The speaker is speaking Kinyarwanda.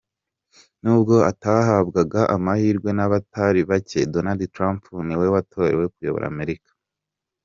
N'ubwo atahabwaga amahirwe n'abatari bake Donald Trump ni we watorewe kuyobora Amerika.